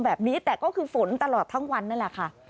แบบนี้แต่ก็คือฝนตลอดทั้งวันนั้น